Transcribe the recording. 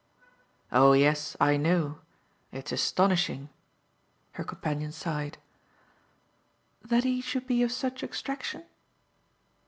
"Oh yes, I know. It's astonishing!" her companion sighed. "That he should be of such extraction?"